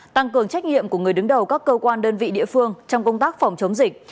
tăng cường trách nhiệm của người đứng đầu các cơ quan đơn vị địa phương trong công tác phòng chống dịch